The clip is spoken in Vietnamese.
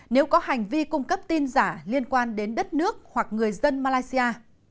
nếu có hành vi cung cấp tin giả liên quan đến đất nước hoặc người dân malaysia